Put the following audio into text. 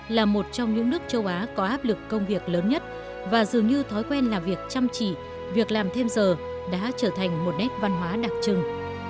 là một trong những nước châu á có áp lực công việc lớn nhất và dường như thói quen làm việc chăm chỉ việc làm thêm giờ đã trở thành một nét văn hóa đặc trưng